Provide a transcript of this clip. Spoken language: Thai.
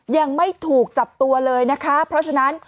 ยังไม่ถูกจับตัวเลยนะคะเพราะฉะนั้น